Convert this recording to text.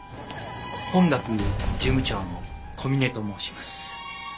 本学事務長の小嶺と申します。